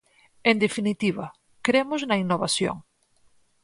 En definitiva, cremos na innovación.